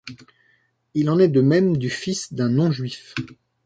Il en est de même du fils d'un non-Juif.